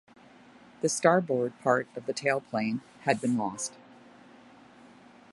The starboard part of the tailplane had been lost.